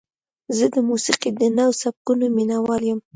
زه د موسیقۍ د نوو سبکونو مینهوال یم.